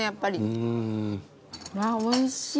うわおいしい。